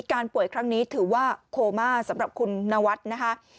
ป่วยครั้งนี้ถือว่าโคม่าสำหรับคุณนวัดนะคะ